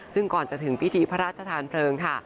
ซึ่งก่อนจะถึงพิธีพระราชทานเพลิงค่ะ